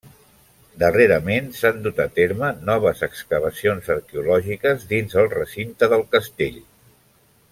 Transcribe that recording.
Darrerament s'han dut a terme noves excavacions arqueològiques dins el recinte del castell.